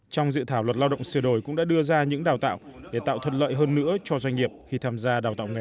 trong dự thảo luật lao động sửa đổi cũng đã đưa ra những đào tạo để tạo thuận lợi hơn nữa cho doanh nghiệp khi tham gia đào tạo nghề